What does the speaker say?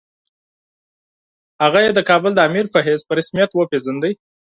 هغه یې د کابل د امیر په حیث په رسمیت وپېژانده.